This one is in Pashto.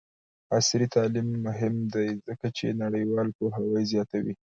عصري تعلیم مهم دی ځکه چې نړیوال پوهاوی زیاتوي.